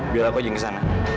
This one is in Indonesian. biar aku aja yang kesana